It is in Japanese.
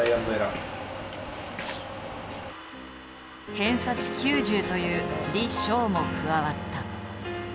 偏差値９０という李昌も加わった。